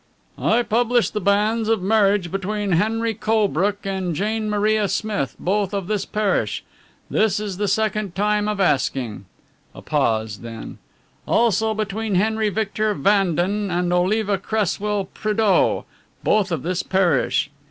"I publish the banns of marriage between Henry Colebrook, and Jane Maria Smith both of this parish. This is the second time of asking." A pause, then: "Also between Henry Victor Vanden and Oliva Cresswell Prédeaux, both of this parish.